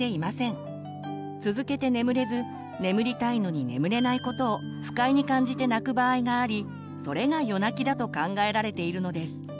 続けて眠れず眠りたいのに眠れないことを不快に感じて泣く場合がありそれが夜泣きだと考えられているのです。